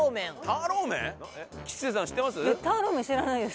ターローメン知らないです。